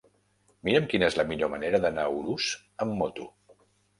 Mira'm quina és la millor manera d'anar a Urús amb moto.